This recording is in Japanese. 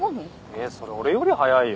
えそれ俺より早いよ